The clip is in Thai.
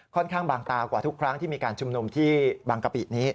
ข้างบางตากว่าทุกครั้งที่มีการชุมนุมที่บางกะปินี้